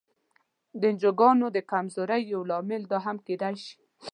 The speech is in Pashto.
د انجوګانو د کمزورۍ یو لامل دا هم کېدای شي.